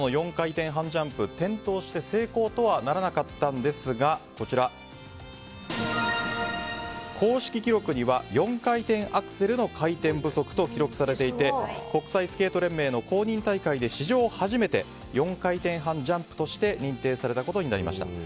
４回転半ジャンプ転倒して成功とはならなかったんですが公式記録には４回転アクセルの回転不足と記録されていて国際スケート連盟の公認大会で史上初めて４回転半ジャンプとして認定されたことになりました。